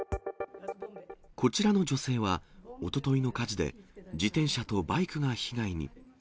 こちらの女性は、おとといの火事で、自転車とバイクが被害に。